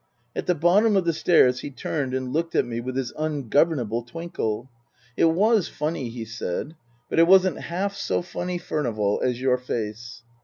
At the bottom of the stairs he turned and looked at me with his ungovernable twinkle. " It was funny," he said. " But it wasn't half so funny, Furnival, as your face."